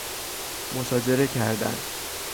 مشاجره کردن